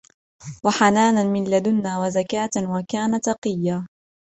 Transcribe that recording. وحنانا من لدنا وزكاة وكان تقيا